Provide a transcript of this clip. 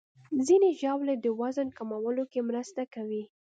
ځینې ژاولې د وزن کمولو کې مرسته کوي.